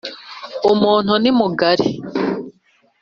Umuntu nimugari.